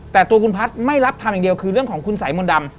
แต่ตัวคุณพัฒน์ไม่รับทำอย่างเดียวคือเรื่องของคุณสายมนต์ดำ